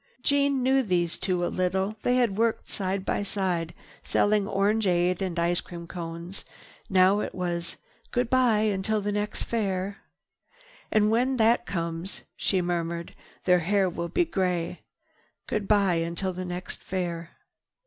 Jeanne knew these two a little. They had worked side by side selling orangeade and ice cream cones. Now it was "Goodbye until the next Fair." "And when that comes," she murmured, "their hair will be gray. Goodbye until the next Fair."